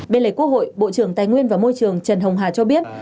bên lề quốc hội bộ trưởng tài nguyên và môi trường trần hồng hà cho biết